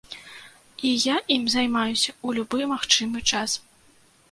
І я ім займаюся ў любы магчымы час.